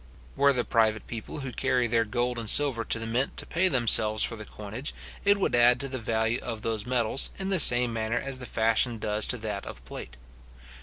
Were the private people who carry their gold and silver to the mint to pay themselves for the coinage, it would add to the value of those metals, in the same manner as the fashion does to that of plate.